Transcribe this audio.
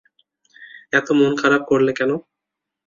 এত মন খারাপ করলে কেন?